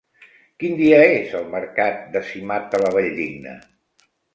Quin dia és el mercat de Simat de la Valldigna?